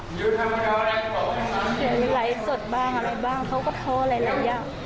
หลายส่วนบ้างอะไรบ้างเขาก็ท้อหลายอย่าง